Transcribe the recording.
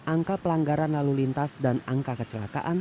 angka pelanggaran lalu lintas dan angka kecelakaan